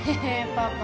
パパ